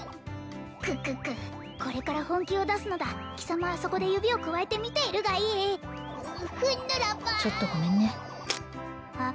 クククこれから本気を出すのだ貴様はそこで指をくわえて見ているがいいふんぬらばちょっとごめんねあ